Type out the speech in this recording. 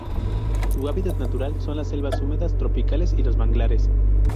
Su hábitat natural son las selvas húmedas tropicales y los manglares.